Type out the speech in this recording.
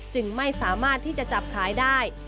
จึงไม่สามารถที่จะจับขายได้